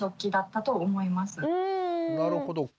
なるほど。